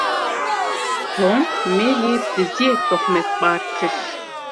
Tom, Maryê bi diziyê tohmetbar kir.